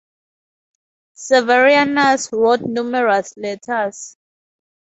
Severianus wrote numerous letters.